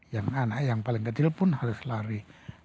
yang anak yang paling kecil pun harus lari